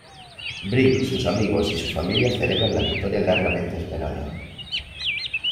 Brink, sus amigos y su familia celebran la victoria largamente esperada.